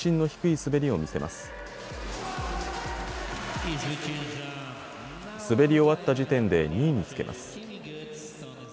滑り終わった時点で２位につけます。